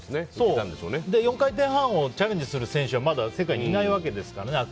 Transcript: ４回転半をチャレンジする選手はまだ世界にいないわけですからね。